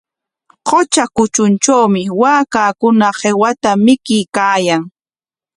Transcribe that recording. Qutra kutruntrawmi waakakuna qiwata mikuykaayan.